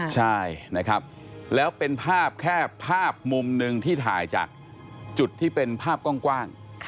ใช่นะครับแล้วเป็นภาพแค่ภาพมุมหนึ่งที่ถ่ายจากจุดที่เป็นภาพกว้าง